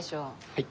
はい。